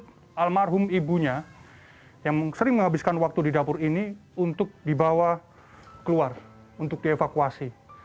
ada almarhum ibunya yang sering menghabiskan waktu di dapur ini untuk dibawa keluar untuk dievakuasi